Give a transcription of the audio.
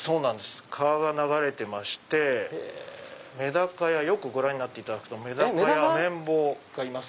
川が流れてましてよくご覧になっていただくとメダカやアメンボがいます。